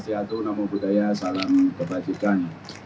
salam om swastiatu namo buddhaya salam kebajikan